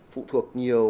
phụ thuộc nhiều